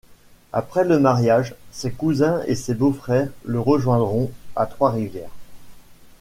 Après le mariage, ses cousins et ses beaux-frère le rejoindront à Trois-Rivières.